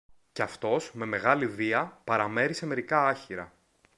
και αυτός με μεγάλη βία παραμέρισε μερικά άχυρα